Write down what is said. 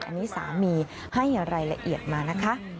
อันนี้สามีให้รายละเอียดมานะคะ